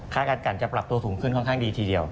การกันจะปรับตัวสูงขึ้นค่อนข้างดีทีเดียว